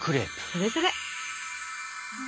それそれ。